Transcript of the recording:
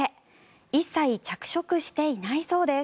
一切、着色していないそうです。